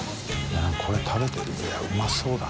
舛これ食べていやうまそうだ